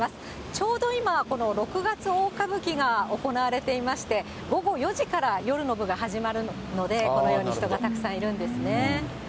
ちょうど今、この六月大歌舞伎が行われていまして、午後４時から夜の部が始まるので、このように人がたくさんいるんですね。